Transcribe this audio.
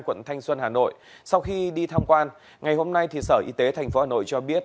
quận thanh xuân hà nội sau khi đi tham quan ngày hôm nay sở y tế tp hà nội cho biết